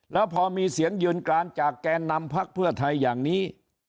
แล้วพอมีเสียงยืนกรานจากแกนนำพักเพื่อไทยอย่างนี้